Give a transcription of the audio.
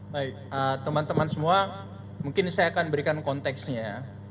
baik teman teman semua mungkin saya akan berikan konteksnya